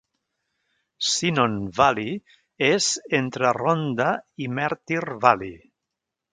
Cynon Valley és entre Rhonndda i Merthyr Valley.